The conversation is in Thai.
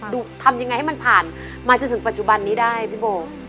ทำยังไงให้มันผ่านมาจนถึงปัจจุบันนี้ได้พี่โบ